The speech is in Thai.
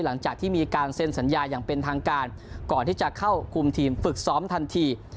หลังจากที่มีการเซ็นสัญญาอย่างเป็นทางการก่อนที่จะเข้าคุมทีมฝึกซ้อมทันที